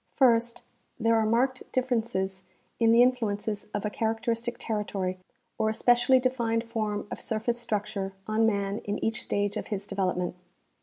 First, there are marked differences in the influences of a characteristic territory or a specially defined form of surface structure on man in each stage of his development.